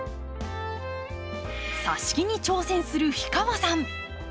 さし木に挑戦する氷川さん。